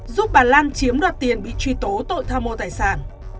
giúp bà lan chiếm đoạt tiền bị truy tố tội tham mô tài sản